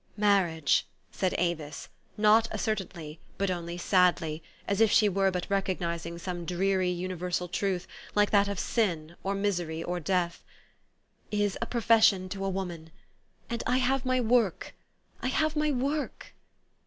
" Marriage," said Avis, not assertantly, but only sadly, as if she were but recognizing some dreary, universal truth, like that of sin, or misery, or death, 44 is a profession to a woman. And I have my work ; I have my work!